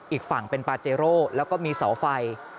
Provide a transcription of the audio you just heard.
อีกฝั่งเป็นปาเจโร่แล้วก็มีเสาไฟ